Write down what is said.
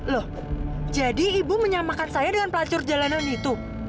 loh jadi ibu menyamakan saya dengan pelacur jalanan itu